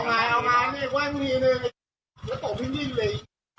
แล้วตกพี่นี่เลยโอ้โหอย่าขามขับขับเอาคุณขับกูกว่าเปล่าเนี้ย